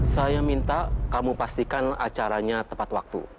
saya minta kamu pastikan acaranya tepat waktu